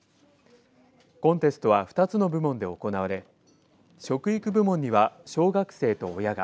コンテストは２つの部門で行われ食育部門には小学生と親が